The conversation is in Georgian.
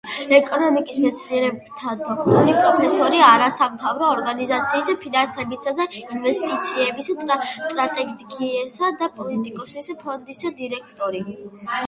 ეკონომიკის მეცნიერებათა დოქტორი, პროფესორი; არასამთავრობო ორგანიზაციის ფინანსებისა და ინვესტიციების სტრატეგიისა და პოლიტიკის ფონდის დირექტორი.